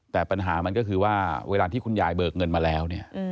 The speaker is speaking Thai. แต่ปัญหามันก็คือว่าเวลาที่คุณยายเบิกเงินมาแล้วเนี่ย